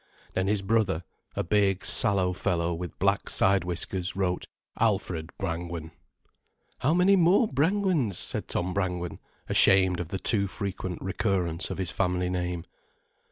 Then his brother, a big, sallow fellow with black side whiskers wrote: "Alfred Brangwen." "How many more Brangwens?" said Tom Brangwen, ashamed of the too frequent recurrence of his family name.